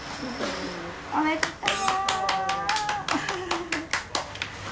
おめでとう！